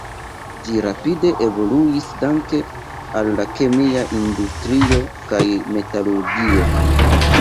Ĝi rapide evoluis danke al la kemia industrio kaj metalurgio.